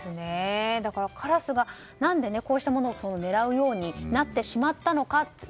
だからカラスが何でこうしたものを狙うようになってしまったのか。